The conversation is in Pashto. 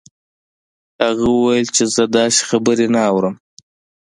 هغه وویل چې زه داسې خبرې نه اورم